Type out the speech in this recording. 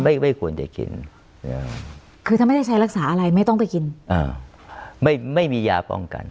ไม่ไม่ควรจะกินคือถ้าไม่ได้ใช้รักษาอะไรไม่ต้องไปกินอ่าไม่ไม่มียาป้องกัน